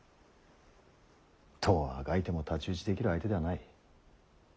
どうあがいても太刀打ちできる相手ではない。